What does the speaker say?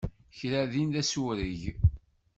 Kra din d asureg.